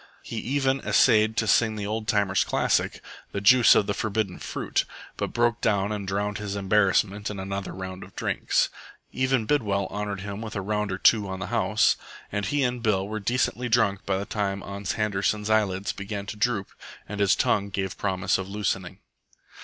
He even essayed to sing the old timer's classic, "The Juice of the Forbidden Fruit," but broke down and drowned his embarrassment in another round of drinks. Even Bidwell honoured him with a round or two on the house; and he and Bill were decently drunk by the time Ans Handerson's eyelids began to droop and his tongue gave promise of loosening.